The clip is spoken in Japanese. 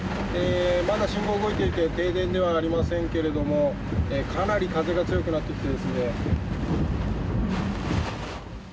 まだ信号は動いていて停電ではありませんがかなり風が強くなってきて。